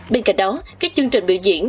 bên cạnh đó các chương trình biểu diễn